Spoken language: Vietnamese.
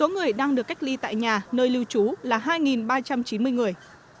người đang được cách ly tại nhà nơi lưu trú là hai ba trăm chín mươi người